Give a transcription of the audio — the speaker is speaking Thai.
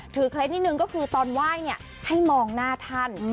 เคล็ดนิดนึงก็คือตอนไหว้เนี่ยให้มองหน้าท่าน